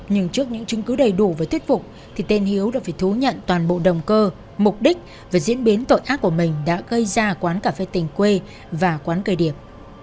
nhưng trước những chứng cứ đầy đủ và thuyết phục thì tên hiếu đã phải thú nhận toàn bộ động cơ mục đích và diễn biến tội ác của mình đã gây ra quán cà phê tình quê và quán cây điệp